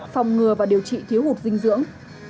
phòng ngừa và điều trị thiếu hụt dinh dưỡng